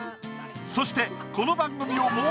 そしてこの番組を